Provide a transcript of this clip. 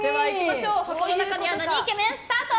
箱の中身はなにイケメン？スタート。